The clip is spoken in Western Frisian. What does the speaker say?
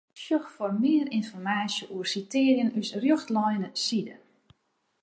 Sjoch foar mear ynformaasje oer sitearjen ús Rjochtlineside.